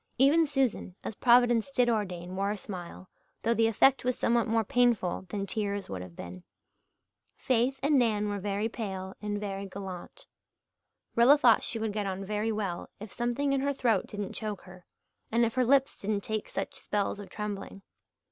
Even Susan, as Providence did ordain, wore a smile, though the effect was somewhat more painful than tears would have been. Faith and Nan were very pale and very gallant. Rilla thought she would get on very well if something in her throat didn't choke her, and if her lips didn't take such spells of trembling.